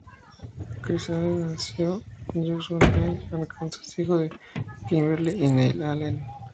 Kris Allen nació en Jacksonville, Arkansas, hijo de Kimberly y Neil Allen.